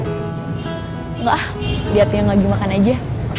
enggak ah liat yang lagi makan aja